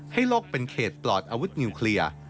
โลกเป็นเขตปลอดอาวุธนิวเคลียร์